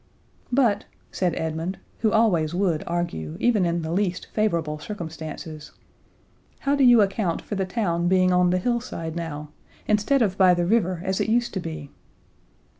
"But," said Edmund, who always would argue, even in the least favorable circumstances, "how do you account for the town being on the hillside now, instead of by the river as it used to be?"